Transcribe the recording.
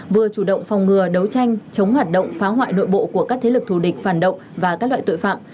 vừa chủ động phòng ngừa đấu tranh chống hoạt động phá hoại nội bộ của các thế lực thù địch phản động và các loại tội phạm